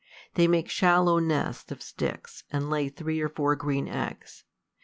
They make shallow nests of sticks, and lay three or four green eggs.